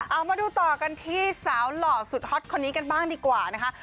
เอามาดูต่อกันที่สาวหล่อสุดฮอตคนนี้กันบ้างดีกว่านะคะ